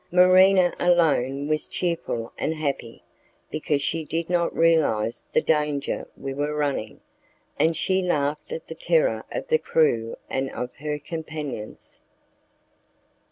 Marina alone was cheerful and happy, because she did not realize the danger we were running, and she laughed at the terror of the crew and of her companions.